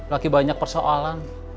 lagi banyak persoalan